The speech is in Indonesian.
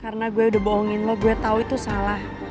karena gue udah bohongin lo gue tau itu salah